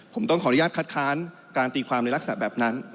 ผมต้องขออนุญาตคัดค้านการตีความในลักษณะแบบนั้น